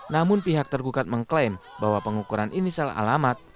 namun pihak tergugat mengklaim bahwa pengukuran ini salah alamat